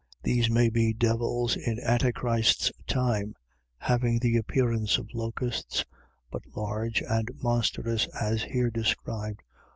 . .These may be devils in Antichrist's time, having the appearance of locusts, but large and monstrous, as here described.